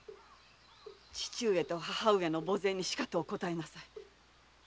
父上と母上の墓前にしかとお答えなさい。